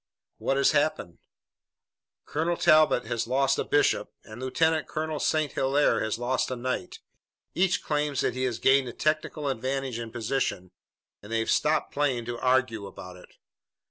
"What has happened?" "Colonel Talbot has lost a bishop and Lieutenant Colonel St. Hilaire has lost a knight. Each claims that he has gained a technical advantage in position, and they've stopped playing to argue about it.